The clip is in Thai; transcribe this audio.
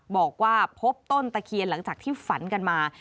บอกว่าพบต้นตะเคียนหลังจากที่ฝันกันมา